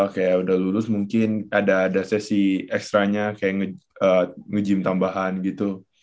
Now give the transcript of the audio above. kayak udah lulus mungkin ada sesi ekstranya kayak nge gym tambahan gitu